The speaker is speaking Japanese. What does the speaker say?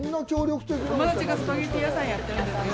友達がスパゲッティ屋さんやってるんですよ。